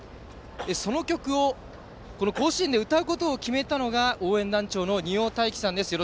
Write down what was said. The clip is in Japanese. その曲を甲子園で歌うことを決めたのが応援団長のにおうだいきさんです。